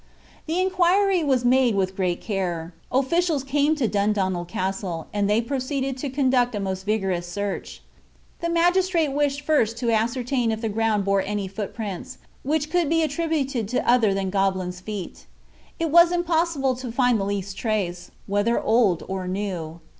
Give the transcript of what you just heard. The inquiry was made with great care. Officials came to Dundonald Castle, and they proceeded to conduct a most vigorous search. The magistrate wished first to ascertain if the ground bore any footprints, which could be attributed to other than goblins' feet. It was impossible to find the least trace, whether old or new.